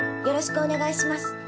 よろしくお願いします。